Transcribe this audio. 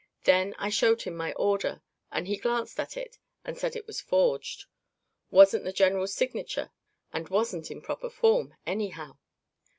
Then I showed him my order and he glanced at it and said it was forged; wasn't the general's signature and wasn't in proper form, anyhow.